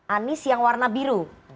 anies yang warna biru